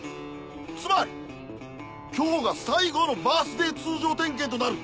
つまり今日が最後のバースデー通常点検となる。